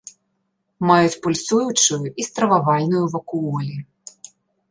Маюць пульсуючую і стрававальную вакуолі.